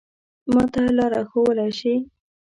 ما ته لاره ښوولای شې؟